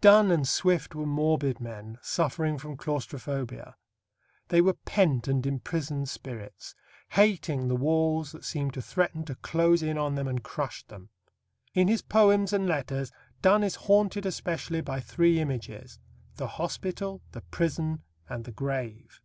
Donne and Swift were morbid men suffering from claustrophobia. They were pent and imprisoned spirits, hating the walls that seemed to threaten to close in on them and crush them. In his poems and letters Donne is haunted especially by three images the hospital, the prison, and the grave.